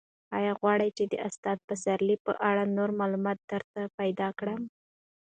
ایا غواړې چې د استاد پسرلي په اړه نور معلومات درته پیدا کړم؟